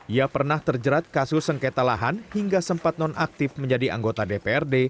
ia pernah terjerat kasus sengketa lahan hingga sempat nonaktif menjadi anggota dprd